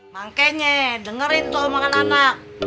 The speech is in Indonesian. makanya dengerin toh makan anak